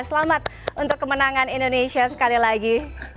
selamat untuk kemenangan indonesia sekali lagi